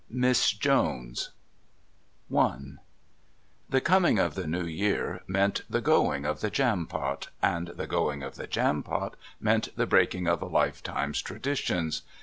MISS JONES I The coming of the new year meant the going of the Jampot, and the going of the Jampot meant the breaking of a life time's traditions.